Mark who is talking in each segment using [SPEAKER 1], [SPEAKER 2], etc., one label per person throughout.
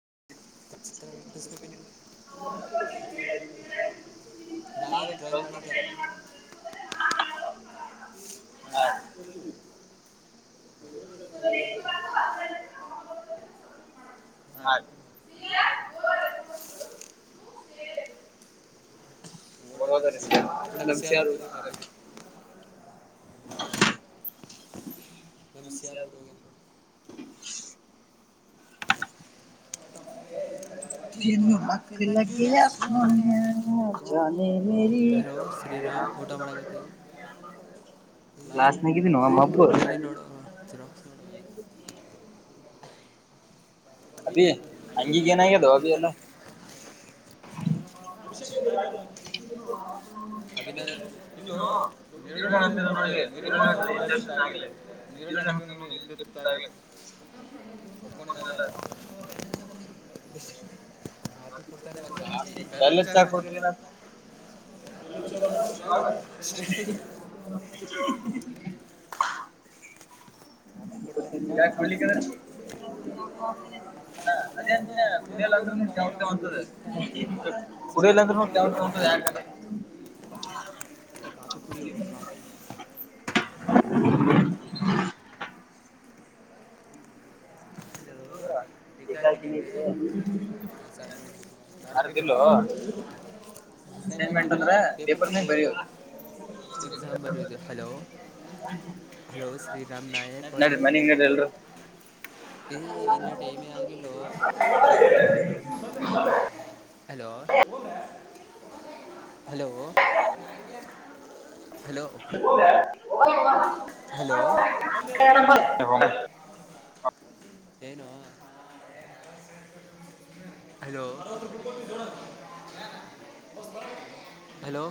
[SPEAKER 1] [inaudible] ಚಿತ್ರ ತಿಿಸ್ಬೇಕ
[SPEAKER 2] ಮುಟ್ಟಿಸ್ಬೇಕಂದ್ರೆ
[SPEAKER 1] ನಾಳೆ
[SPEAKER 2] ನಾವೇ
[SPEAKER 1] ಡ್ರಾಯಿಂಗ್ ಮಾಡದು [inaudible]
[SPEAKER 2] ಮಾಡಿದ್ದ ಹಯ ಹಾ
[SPEAKER 1] ಓಡೋದ್ರ
[SPEAKER 2] ರ
[SPEAKER 1] ಸೇಮ್ ನಮ್ಮ
[SPEAKER 2] ಮ
[SPEAKER 1] ಸಿಆರ್
[SPEAKER 2] ಸಾರು
[SPEAKER 1] ಓಡಿ ಹೋಗ್ರಿ
[SPEAKER 2] [inaudible] [unintelligible]
[SPEAKER 1] ಎಮ
[SPEAKER 2] ನಮ್
[SPEAKER 1] ಸಿ ಆರ್
[SPEAKER 2] ಸಾರ್
[SPEAKER 1] ರಓೋಗೋಗೇಂದ್ರ [unintelligible]
[SPEAKER 2] ಹ
[SPEAKER 1] ಜ ಹಕ್ಕ ಲ ಸ
[SPEAKER 2] ಸೋನಿಯ ಜಾನೆ ಮೇರಿ
[SPEAKER 1] [unintelligible] ಹ್ರೀರಾಮ್ ಊಟ ಮಾಡಾಗತ [unintelligible]
[SPEAKER 2] ಕ್ಲಾಸ್ನಾಗಿದ್ದೀನ ಮಬ್ಬು
[SPEAKER 1] ಲಾಸ್ಟ್ಗಿದ್ದ ಅಲ್ಲಿ ನೋಡ ಚಿರಾ ನೋಡ [unintelligible]
[SPEAKER 2] ಅದಿ
[SPEAKER 1] ಈಗ
[SPEAKER 2] ಹಂಗಿಗ ಏನಾಗ್ಯದ ಅಬಿ ಎಲ್ಲ
[SPEAKER 1] ಹ್ಮ ಅ ಅಭಿನಂದ ಇ ಹತರ
[SPEAKER 2] ಈರುಳ್ಳಿ
[SPEAKER 1] ನೋ
[SPEAKER 2] ಹಾಕ್ತಿದ್ದ ನೋಡಿ
[SPEAKER 1] ನೀರಳಿ
[SPEAKER 2] ಈರುಳ್ಳಿ ಹಾಕ್ತಿದ್ದ ಇಂಡಸ್ಟ್ರಿ
[SPEAKER 1] ಹ
[SPEAKER 2] ಆಗ್ಲಿ ಈರುಳ್ಳಿ
[SPEAKER 1] ಇ
[SPEAKER 2] ಹಾಕ್ತಿದ್ದ ನೋಡಿ
[SPEAKER 1] ಆ
[SPEAKER 2] ಇಂಡಸ್ಟ್ರಿ
[SPEAKER 1] ನೀರಳಿ ಹ
[SPEAKER 2] ಆಗ್ಲಿ
[SPEAKER 1] ಇಲ್ಲ [unintelligible] ಲ್ಲತಿ ಕೊತ
[SPEAKER 2] ನಲ್ಲ ಚಾಕ ಕೊಡ್ತನ
[SPEAKER 1] [inaudible] [inaudible] ಹ
[SPEAKER 2] ಯಾಕಲಿಕ್ಕೆದ್ರ ಅದೇ ಅಂತಿನ ಕುಡಿಯಲ್ಲಾದ್ರೂಂ ಯಾವ ಪಡ ಇಲ್ಲಂತ್ರಟದೆ
[SPEAKER 1] ಕಾಫಿ ಕುಡಿಯೋ
[SPEAKER 2] ಯಕ
[SPEAKER 1] ಕಾಫಿ
[SPEAKER 2] [inaudible] ಹಲೋ
[SPEAKER 1] ಟಿಕ್ಕ ಹಾಕಿನಿ ಸರ್
[SPEAKER 2] ಬರ್ದಿಲ್ಲೋ ಅಸೈನ್ಮೆಂಟ್ ಅಂದ್ರ ಪೇಪರ್ನ ಬರದು
[SPEAKER 1] ಎಕ್ಸಾಂಬರ್ ಇದು ಹಲೋ ಹಲೋ ಶ್ರೀರಾಮ ನಾಯಣ ಅವರ
[SPEAKER 2] ನಡ್ರಿ ಮನಿಗ್ ನಡ್ರಿ ಎಲ್ರು
[SPEAKER 1] ಇ time
[SPEAKER 2] [inaudible]
[SPEAKER 1] hello hello hello hello
[SPEAKER 2] [inaudible] [inaudible]
[SPEAKER 1] ಏನು hello hello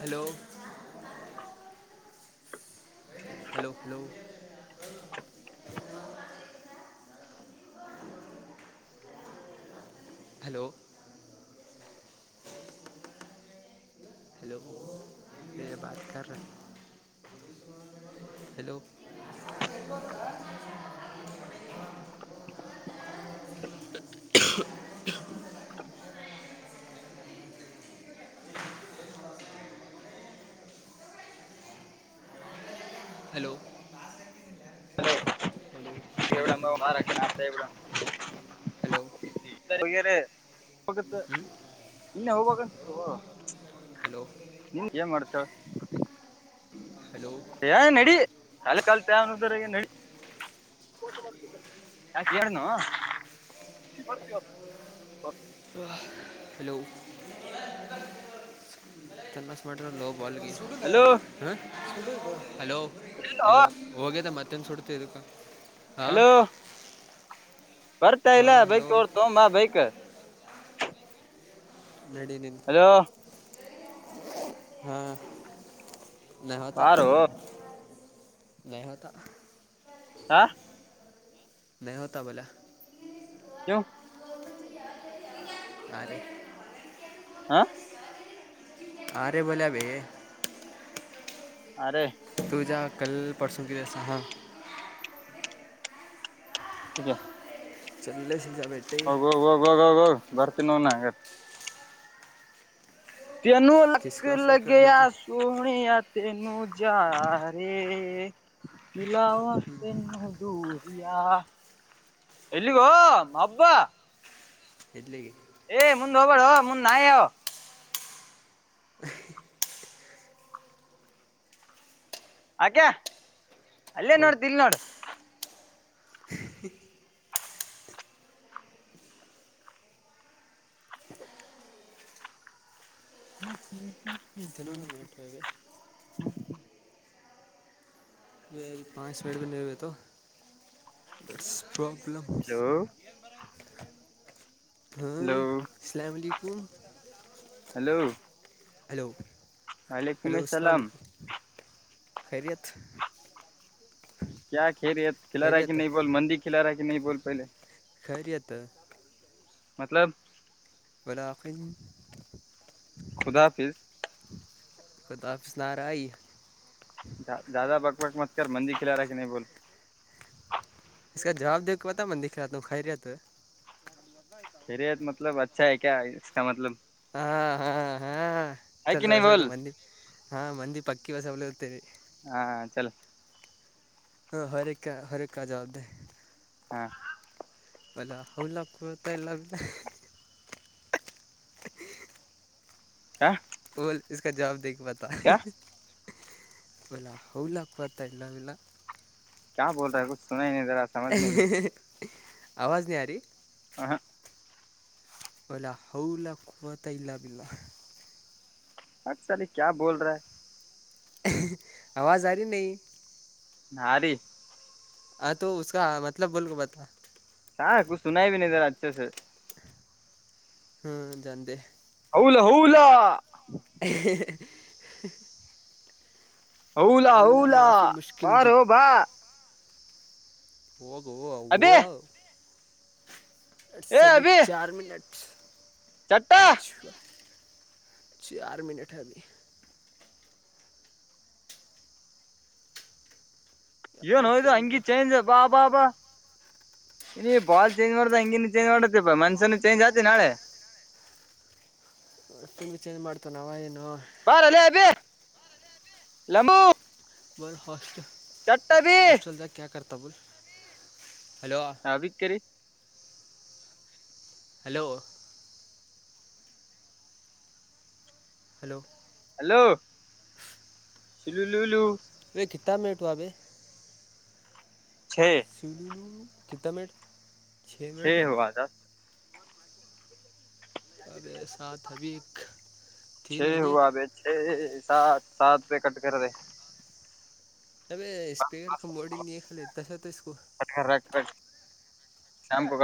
[SPEAKER 1] hello hello hello [inaudible] hello hello ಮ ಬತಕ ರ ಹಲೋ ಹ [inaudible] ಹಲೋ
[SPEAKER 2] ನ ವೇರ ಹೋಗತ್ತು ನಿನ್ನೆ ಹೋಗಾಗ ನಿನ್ ಏನ್ ಮಾಡ್ತಾಳ ನಡಿ ಕಾಲ ಕಾಲ ತದ್ರ ನಡಿ ಯಕ ಎ ಬ
[SPEAKER 1] ಹಲೋ ಸ್ ಮಾಡ ಲೋ ಬಾಲ್
[SPEAKER 2] ಹಲೋ
[SPEAKER 1] ಹಲೋ
[SPEAKER 2] ಎಲ್ಲೋ
[SPEAKER 1] ಇಲ್ಲೋ ಹೋಗ್ಯದ ಮತ್ತೊಂದು ಸುಡ್ತ ಇದಕ್ಕೆ ಹಾಂ
[SPEAKER 2] ಹಲೋ ಬರ್ತಾ ಇಲ್ಲ
[SPEAKER 1] ಹಾಂ ಹಲೋ
[SPEAKER 2] ಬೈಕ್ ತೋಡ್ತೊಂಬ ಬೈಕ್
[SPEAKER 1] ನಡೆಿನಿನ
[SPEAKER 2] ಹಲೋ
[SPEAKER 1] ಹಾ ನತ
[SPEAKER 2] ಬಾರೋ
[SPEAKER 1] ನೇವತಾಗ
[SPEAKER 2] ಆ
[SPEAKER 1] ನ ಹೊತಾ ಬಲೆ
[SPEAKER 2] ಯಾವ
[SPEAKER 1] ಆ
[SPEAKER 2] ಆಾ
[SPEAKER 1] ಅರೆೇ ಬಲ ಭೇ
[SPEAKER 2] ಅ
[SPEAKER 1] ಕಲ್ ಪಸೂಗೆ ಜಯಸ ಹಾ
[SPEAKER 2] ೆ
[SPEAKER 1] ಚಲ್ಲ
[SPEAKER 2] ಹೋಗೋಗೋಗೋಗೋಗೋಗ ಬರ್ತೀನೋ ನ ಹಾಗಂಗ ತನುೂ ಲಕ್ಕ ಲಗ ಯ ಸೋಣ ಯ ತೆನುೂ ಜಾರ ಮಲವ ತೆನುೂ ದೂರಿ ಎಲ್ಲಿಗೋ ಅಬ್ಬ
[SPEAKER 1] ಇಡ್ಲಿಗೆ
[SPEAKER 2] ಏ ಮುಂದು ಹಬರ ಹ ಮುನ್ ನಾಯ ಹ ಆಕ್ಯಾ ಅಲ್ಲೇ ನೋಡ ದಲ್ ನೋಡು [inaudible] ಹ್ಮ
[SPEAKER 1] ಪಾಚ ಮಿನಟ ಬ ನೀ ಬತ ಬ ಪ್ರಾಬ್ಲಮಸ್
[SPEAKER 2] ಹಲೋ
[SPEAKER 1] ಹಾ
[SPEAKER 2] ಹಲೋ
[SPEAKER 1] ಸಲಾಲಿಕುಮ
[SPEAKER 2] ಹಲೋ
[SPEAKER 1] ಹಲೋ
[SPEAKER 2] ವಲೈಕುಮ್
[SPEAKER 1] ಹಲೋ
[SPEAKER 2] ಸಲಾಮ್
[SPEAKER 1] ಸಲಾಕ ೈರಿತ್
[SPEAKER 2] ಕ ಕೇರಿಯಲಾರಾಿ ನೀ ಬೋಲ್ ಮಂದಿ ಕಲಾರಾಕ್ಕೆ ನೀ ಬೋಲ್ ಪಲ
[SPEAKER 1] ೈರಿಯತ
[SPEAKER 2] ಮಲಬ್
[SPEAKER 1] ವಳಾವಕ
[SPEAKER 2] ುುದ ಹಾಫಿ
[SPEAKER 1] ಕುದ ಆಫಿಸ ನಾರ ಈ
[SPEAKER 2] ಜಾದ ಬಕ್ ಬಕ್ ಮತಕ ಮಂದಿ ಕಲಾರಾಕ್ಕೆ ನೀ ಬೋಲ
[SPEAKER 1] ಇಕ ಜವಾಬ ದಕ್ಕೆ ಪತ ಮಂದಿಖಲತಖೈರಿತ
[SPEAKER 2] ೇರಿಯತ್ ಮಲ ಅಛಾೆ ಕ ಇ ಮಲ
[SPEAKER 1] ಹ್ಮ ಹ್ಮ್ ಹ್ಮ್ ಹಾ ಚ ಹೊಸ ಮಂದಿ ಹಾ ಮಂದಿ ಪಕ್ಕಿ ಹೊಸಲತೇವೆ ಹ ಹರಕ್ಕ ಹರ ಜವಾಬದ
[SPEAKER 2] ಹ್ಮ
[SPEAKER 1] ಪ ಹೌಲತ್ತೆಲ
[SPEAKER 2] ಹ
[SPEAKER 1] ಒ ಇಕ ಜವಾಬ ದಕ್ಕೆ ಬತ ಇಲ್ಲ ಹಲ ಹಕುವತ ಇಲ್ಲವಲ್ಲ
[SPEAKER 2] ಕಾ ಬೋಲ್ ರೆ ಕುುನ ನೀ ಜರಾ ಸಮ ನೀ
[SPEAKER 1] ಆವಾಜ ನೀರಿ
[SPEAKER 2] ಹ ಹ
[SPEAKER 1] ಒಲ್ಲ ಹೌಲ್ಲತಲ್ಲ
[SPEAKER 2] ಅ ಸರಿ ಕ ಬೋಲ್ ರಾ
[SPEAKER 1] ಆವಾಜ ಆ ರ ನ
[SPEAKER 2] ನಲಿಿ
[SPEAKER 1] ಹತಕ ಮಲಬ್ ಬಲ್ಕ ಬತ
[SPEAKER 2] ಹಾ ಕುುನ ಬಿ ನೀಿದೆರ ಅ್ಛೆ
[SPEAKER 1] ಹ್ಮ್ ಜಂದ
[SPEAKER 2] ಹೌಲ ಹೌಲ
[SPEAKER 1] ಹ
[SPEAKER 2] ಹೌಲಾ ಹೌಲಾ
[SPEAKER 1] ಮಾಫಿ
[SPEAKER 2] ಬಾರ
[SPEAKER 1] ಮುಷ್ಕಿಲ್ದು
[SPEAKER 2] ಬಾ
[SPEAKER 1] ಹಓದು
[SPEAKER 2] ಅಬೇ
[SPEAKER 1] ಹ ಹ ಸಭ ಚಾರ್ ಮಿನಟ
[SPEAKER 2] ಚಟ್ಟಾ
[SPEAKER 1] ಚಾರ ಮಿನಟ ಹಲ್ಲಿಿ
[SPEAKER 2] ಏನ್ೋಯ್ದ ಹಂಗಿ ಚೇಂಜ್ ಬಾ ಬಾ ಬಾ
[SPEAKER 1] ಹಾ ಹ
[SPEAKER 2] ಇ ಬಾಲ್ ಚೇಂಜ್ ಮಾಡ್ದ ಹಂಗಿನು ಚೇಂಜ್ ಮಾಡತ್ತತಿ ಮನ್ಷಸನನು ಚೇಂಜ್ ಆತಿ ನಾಳೆ
[SPEAKER 1] ತಿಿ ಚೇಂಜ್ ಮಾಡ್ತ ಏನು
[SPEAKER 2] ಬಾರ ಅಲ್ಲ ಅಬ ಲಂಬೂ
[SPEAKER 1] ಬಲ್ ಹಾಸ್ಪಟಲ್
[SPEAKER 2] ಚಟ್ಟ ಭ
[SPEAKER 1] ತಬು
[SPEAKER 2] ಹ ಬಕ್ಕರಿ
[SPEAKER 1] ಹಲೋ ಹಲೋ
[SPEAKER 2] ಹಲೋ ಸ ಲ
[SPEAKER 1] ಕಿಾ ಮೇಳ್ಟು ಅಬ ಸಿ್ಣು ಕಿಿತಮೆೇಳ
[SPEAKER 2] ಹದ
[SPEAKER 1] ಅದೇ ಸಾ ಅಭಿ ತೀನ್ ಮಿನಟ
[SPEAKER 2] ಸಾ ರೂಪಿ ಕಟ್ಕದೆ
[SPEAKER 1] ಅೇ ಸ್ಪೀಕರ್ ಕ ಮೋಡಿ ನೀಾಲ ತಸ ತ ಇಕೋ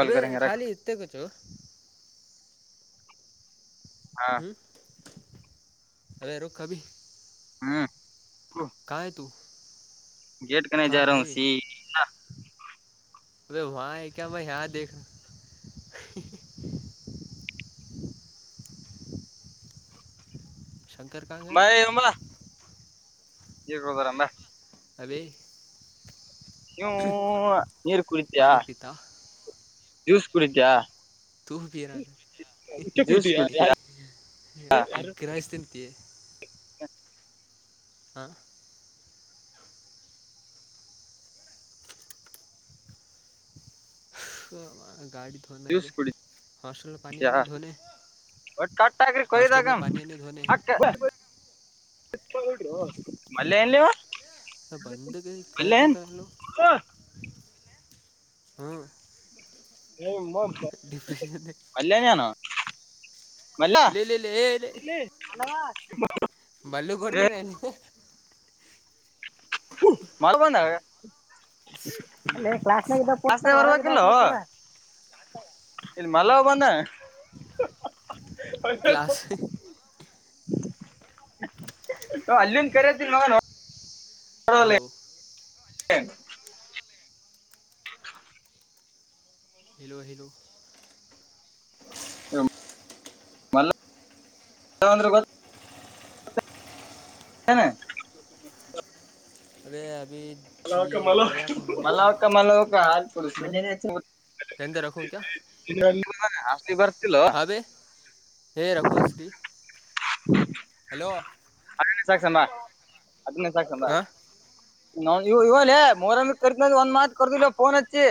[SPEAKER 1] ಅದೇ ಖಾಲಿ ಇೆ ಕೊಚು ಹ್ಮ್ ಹ ರಕ್ ಭೀ
[SPEAKER 2] ಹ್ಮ
[SPEAKER 1] ಕಾಯ ತು
[SPEAKER 2] ಗೇಟ್ ಕನ ಜಾರ ಸಿ
[SPEAKER 1] ಅ ವಾ ಆ ಕ ಮ ಯ ದ ಶಂಕರ್ ಕಾಂಗರ್
[SPEAKER 2] ಹಗ್ೋದಾರಂದ್ರ
[SPEAKER 1] ಅದೇ
[SPEAKER 2] ನೀೂ ನೀರ್ ಕುಡಿತಿಯ ಜ್ಯೂಸ್ ಕುಡಿತಯ
[SPEAKER 1] ತು ಬಿಯರ
[SPEAKER 2] ಕುಡಿತ್ಯಾ
[SPEAKER 1] ಎಗ್ ರೈಸ್ ತಿಂತಿ ಹ ಗಾಡಿಿ ನ್
[SPEAKER 2] ಜ್ಯೂಸ್
[SPEAKER 1] ಆಬೇಕ ಹರ್ಟೆಲ್ ಪಾನಿಯ ನೀ ನೆ
[SPEAKER 2] ಒ ಕಟ್ಟ ಹಾಕಿರಿ ಕೊಯ್ದು ಹಾಕಮ
[SPEAKER 1] ಧೋನೆ
[SPEAKER 2] ಮಲ್ಲ ಎಲ್ಲವ
[SPEAKER 1] ಬಂದ ಕೆಳಗೆ ಕುಂತನಾ ಅಲಾವಾ ಹಾ
[SPEAKER 2] ಮ
[SPEAKER 1] ಡಿಪ್ರೆಶನ್ ಆಲ್
[SPEAKER 2] ಮಲ್ಲ
[SPEAKER 1] ಇಲ್ಲ ಏ ಇಲ್ಲ ಮಲ್ಲು ಗೆ ಕೊಡ್ತೀನಿ
[SPEAKER 2] ಮಲ್ಲು ಬಂದನ
[SPEAKER 1] ಟು
[SPEAKER 2] ಲೆ ಕ್ಲಾಸ್
[SPEAKER 1] ಮಿನಟ್ಸ್
[SPEAKER 2] ಅಲ್ಲಿ ಇದ್ದಾಗ ಫೋನ್ ಮಾಡ್ತೀಯ ಇಲ್ಲಿ ಮಲ್ಲ ಬಂದನಾ
[SPEAKER 1] ಕ್ಲಸ್
[SPEAKER 2] ಅಲ್ಲಿನ್ ಕರಿಯತಿನಿ
[SPEAKER 1] ಹಲೋ
[SPEAKER 2] ಹ ಹ [unintelligible]
[SPEAKER 1] ಹಲೋ ಹೆಲೋ
[SPEAKER 2] ಮಲ್ಲ ಅಂದ್ರೆ ಗೊತ್ತು ಹನ [unintelligible] ಮಲ್ಲವಕ ಮಲ್ಲವಕ ಹಾಲು ಕುಡಿಸು
[SPEAKER 1] ಅ ಅಂದರ್ ರಾಕ್ಹು ಕ್ಯಾ
[SPEAKER 2] ಅಷ್ಟು ಬರ್ತಿಲ್ಲೋ
[SPEAKER 1] ಹಾ ಬೈ ಹೇ ಹೇ ರಾಕು ಹಲೋ
[SPEAKER 2] ಸಾ ಅಟೆಂಡೆನ್ಸ್ ಹಕಮ ಬಾ ಇವ ಲೆ ಮೋರಾಮ ಕರಿತನೆನೆಧು ಒಂದ್ ಮಾತ್ ಕರ್ದಿಲ್ಲ ಪೋನ್ ಅಚ್ಚಿ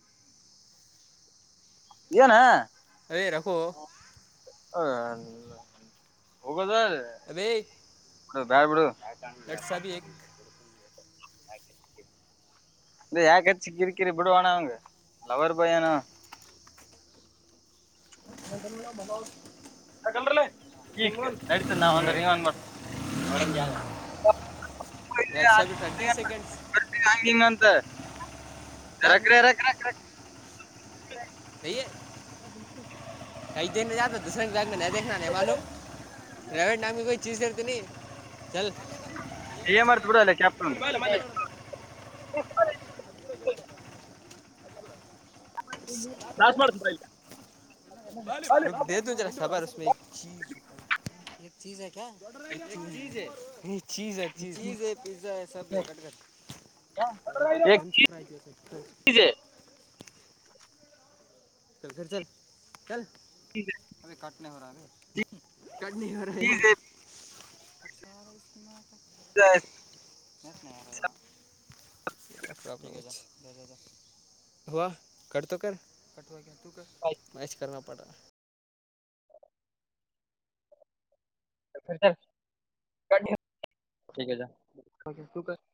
[SPEAKER 1] ಹ [unintelligible]
[SPEAKER 2] ಏನಾ..
[SPEAKER 1] ಏ ರಕೋ
[SPEAKER 2] ಹ ಮುಗಿದು ಹೋಗಿದೆ
[SPEAKER 1] ಅ ಬೇ
[SPEAKER 2] ಬೇಡ ಬೀಡು ಇ ಯಾಕ ಹಚ್ಚಿ ಕಿರಿ ಕೀರಿ ಬಿಡ ಅಣ್ಣ ಅವಂಗ ಲವರ್ ಬಾಯ್ ಅನ ಅವ ನಡತ ನಾವ್ ಅಂದ್ರಂಗ ನೀವ ಅನ್ ಮಾಡ ಹಂಗ ಹಂಗಂತ [unintelligible] ರ ರಕ ರಕ ರಕ ರ ಅದ [unintelligible]
[SPEAKER 1] ಕೈ ದನೆ ಜತಾ ದೂರ ಬ್ಯಾಂಕ್ಗೆ ನ ದಾಾನ ಮಾಾಲೂಮ ಪ್ರೈವೇಟ್ ಬ್ಯಾಂಕಗೆ ಕೈ ಚೀಜತತತಿ ನೀ ಚಲ್
[SPEAKER 2] ಎಮ ಆರ್ ತಡ ಅಲ್ಲ ಕೆ್ಯಾಪ್ಟನ್ ಇ [unintelligible] ದಾಸ ಮಾಡ
[SPEAKER 1] ರ ದದ ಜರ ಸಬರಮೆ ಚೀ ಚೀ ಚೀಸ್ ಹೈ ಪಿಜ್ಜಾ ಹೈ ಸಬ್ ಹೈ ಫಚ್ಫೈಸ್
[SPEAKER 2] ಏಕ್
[SPEAKER 1] ಫಸ್ ಚ ಚಲ್ ಚಲ್ ಅ ಕಟ್ಟನ ಹೊರಾ ರ ಕಟ್ ನೈ ಹೊರ
[SPEAKER 2] ಹ
[SPEAKER 1] ಹ ಕಟ್ತ ಕ ಕ ಅಷ್ಟ ಕ ಪಟಾ
[SPEAKER 2] ಹ